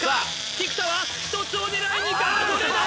菊田は１つを狙いにあっ取れない！